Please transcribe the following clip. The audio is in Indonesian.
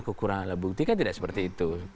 kekurangan alat bukti kan tidak seperti itu